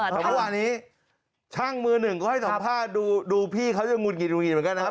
แต่ว่านี้ช่างมือหนึ่งก็ให้สอนผ้าดูพี่เขาจะงุดหงิดเหมือนกันนะครับ